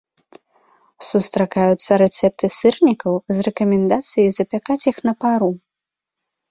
Сустракаюцца рэцэпты сырнікаў з рэкамендацыяй запякаць іх на пару.